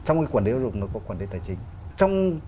trong quản lý giáo dục có quản lý tài chính